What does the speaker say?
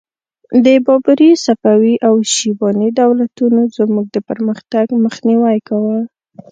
د بابري، صفوي او شیباني دولتونو زموږ د پرمختګ مخنیوی کاوه.